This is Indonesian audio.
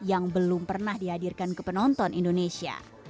yang belum pernah dihadirkan ke penonton indonesia